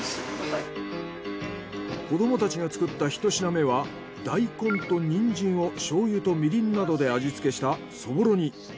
子どもたちが作ったひと品目は大根とニンジンを醤油とみりんなどで味付けしたそぼろ煮。